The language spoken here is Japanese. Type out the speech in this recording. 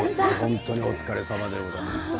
本当にお疲れさまでございました。